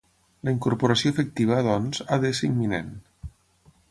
La incorporació efectiva, doncs, ha d'ésser imminent.